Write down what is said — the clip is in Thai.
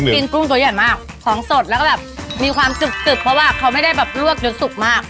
กุ้งตัวใหญ่มากของสดแล้วก็แบบมีความจุบเพราะว่าเขาไม่ได้แบบลวกจนสุกมาก